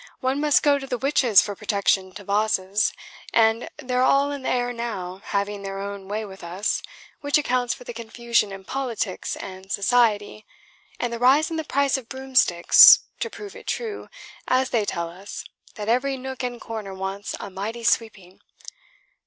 One must go to the witches for protection to vases; and they're all in the air now, having their own way with us, which accounts for the confusion in politics and society, and the rise in the price of broomsticks, to prove it true, as they tell us, that every nook and corner wants a mighty sweeping.